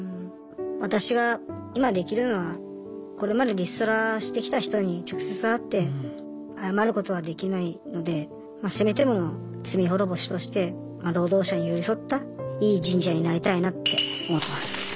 私が今できるのはこれまでリストラしてきた人に直接会って謝ることはできないのでせめてもの罪滅ぼしとして労働者に寄り添ったいい人事屋になりたいなって思ってます。